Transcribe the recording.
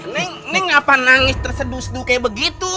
neng neng ngapa nangis terseduh seduh kaya begitu